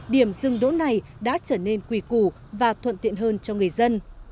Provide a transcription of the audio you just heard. điểm dừng đỗ này đã trở nên quỳ củ và thuận tiện hơn cho người dân